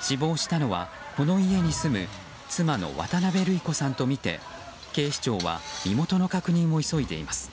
死亡したのは、この家に住む妻の渡辺類子さんとみて警視庁は身元の確認を急いでいます。